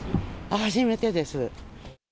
初めてです。